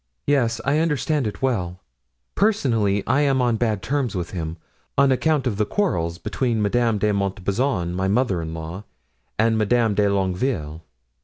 "Yes, I understand it well. Personally, I am on bad terms with him, on account of the quarrels between Madame de Montbazon, my mother in law, and Madame de Longueville.